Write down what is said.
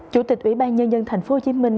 chủ tịch ủy ban nhân dân thành phố hồ chí minh